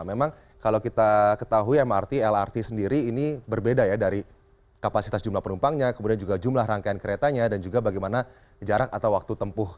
memang kalau kita ketahui mrt lrt sendiri ini berbeda ya dari kapasitas jumlah penumpangnya kemudian juga jumlah rangkaian keretanya dan juga bagaimana jarak atau waktu tempuh